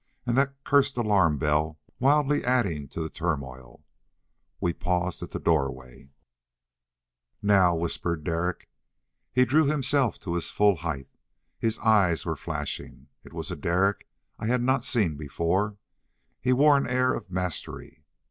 And that cursed alarm bell wildly adding to the turmoil. We paused at the doorway. "Now," whispered Derek. He drew himself to his full height. His eyes were flashing. It was a Derek I had not seen before; he wore an air of mastery.